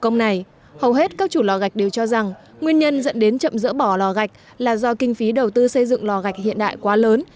trước những bức xúc này hầu hết các chủ lò gạch đều cho rằng nguyên nhân dẫn đến chậm dỡ bỏ lò gạch là do kinh phí đầu tư xây dựng lò gạch hiện đại quá lớn